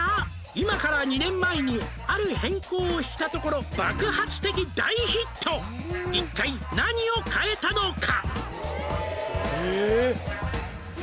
「今から２年前にある変更をしたところ」「爆発的大ヒット」「一体何を変えたのか」